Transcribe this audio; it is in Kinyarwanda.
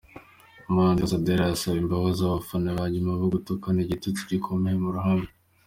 Umuhanzikazi Adele arasaba imbabazi abafana be nyuma yo gutukana igitutsi gikomeye mu ruhame.